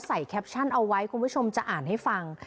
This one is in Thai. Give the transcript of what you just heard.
แคปชั่นเอาไว้คุณผู้ชมจะอ่านให้ฟัง